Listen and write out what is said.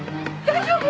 大丈夫！？